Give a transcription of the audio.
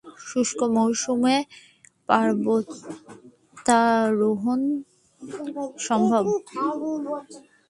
শুষ্ক মৌসুমে পর্বতারোহণ সম্ভব।